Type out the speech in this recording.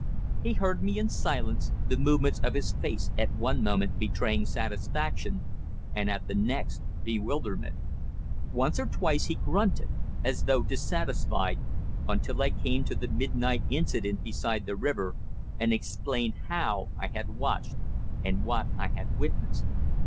He heard me in silence, the movements of his face at one moment betraying satisfaction, and at the next bewilderment. Once or twice he grunted, as though dissatisfied, until I came to the midnight incident beside the river, and explained how I had watched and what I had witnessed.